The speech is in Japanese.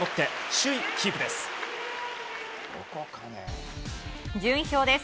首位キープです。